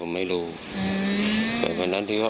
ไม่ฝากก่อนวันอาทิตย์